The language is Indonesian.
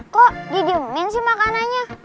kok didiemin sih makanannya